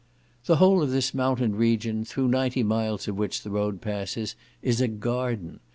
The whole of this mountain region, through ninety miles of which the road passes, is a garden.